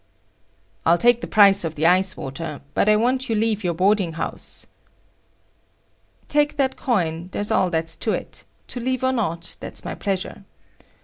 "I'll take the price of the ice water, but I want you leave your boarding house." "Take that coin; that's all there is to it. To leave or not,—that's my pleasure."